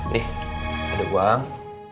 nih ada uang